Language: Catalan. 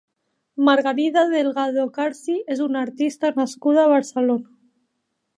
Margarida Delgado Carsi és una artista nascuda a Barcelona.